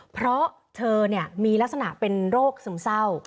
เพราะเธอมีลักษณะเป็นโรคซึมเศร้า